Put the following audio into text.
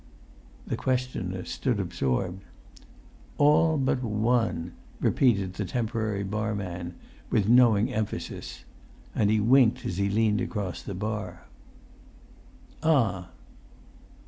The questioner stood absorbed. "All but one," repeated the temporary barman with knowing emphasis. And he winked as he leant across the bar. "Ah!"